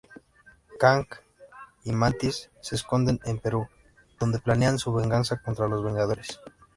Kang y Mantis se esconden en Perú, donde planean su venganza contra los Vengadores.